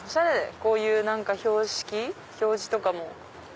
こういう表示とかも。